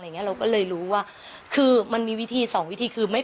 อย่างเงี้ยเราก็เลยรู้ว่าคือมันมีวิธีสองวิธีคือไม่